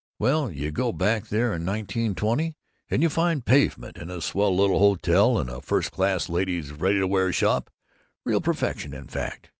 Well, you go back there in 1920, and you find pavements and a swell little hotel and a first class ladies' ready to wear shop real perfection, in fact!